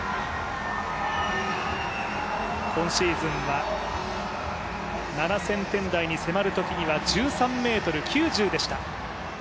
今シーズンは７０００点台に迫るときには１３ｍ９０でした。